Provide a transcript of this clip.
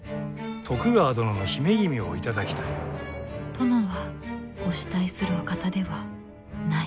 殿はお慕いするお方ではない。